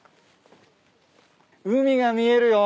海が見えるよ。